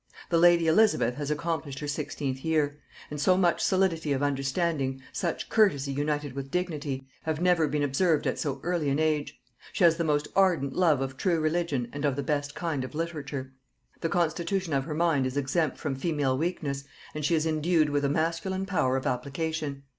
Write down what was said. "The lady Elizabeth has accomplished her sixteenth year; and so much solidity of understanding, such courtesy united with dignity, have never been observed at so early an age. She has the most ardent love of true religion and of the best kind of literature. The constitution of her mind is exempt from female weakness, and she is endued with a masculine power of application.